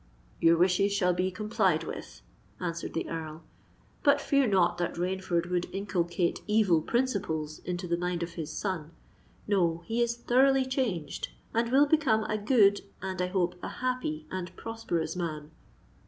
"Your wishes shall be complied with," answered the Earl. "But fear not that Rainford would inculcate evil principles into the mind of his son. No—he is thoroughly changed, and will become a good, and, I hope, a happy and prosperous man."